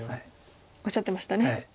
おっしゃってましたね。